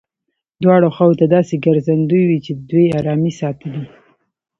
دواړو خواوو ته داسې څرګندوي چې دوی ارامي ساتلې.